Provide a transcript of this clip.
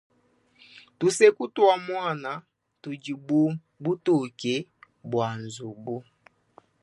Tuseku tua muana tudi bu butoke bua nzubu.